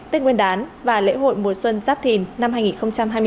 tết nguyên đán và lễ hội mùa xuân giáp thìn năm hai nghìn hai mươi bốn